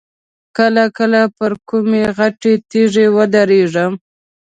کله کله پر کومه غټه تیږه ودرېږم.